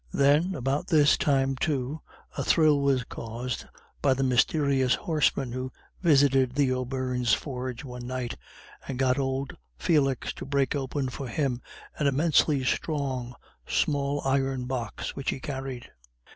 Then about this time, too, a thrill was caused by the mysterious horseman, who visited the O'Beirnes' forge one night, and got old Felix to break open for him an immensely strong, small iron box which he carried.